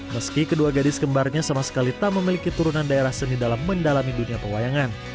meski kedua gadis kembarnya sama sekali tak memiliki turunan daerah seni dalam mendalami dunia pewayangan